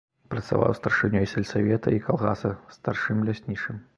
Працаваў старшынёй сельсавета і калгаса, старшым ляснічым.